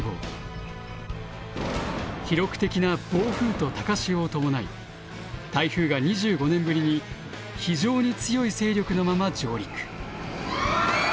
記録的な暴風と高潮を伴い台風が２５年ぶりに非常に強い勢力のまま上陸。